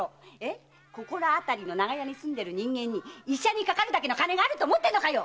この辺りの長屋に住んでる人間に医者にかかる金があると思ってるのかよ